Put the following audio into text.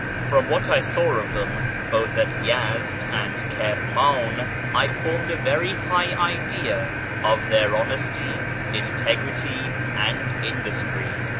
From what I saw of them, both at Yezd and Kirm; iu, I formed a very high idea of their honesty, integrity, and industry.